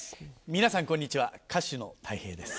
皆さんこんにちは歌手のたい平です。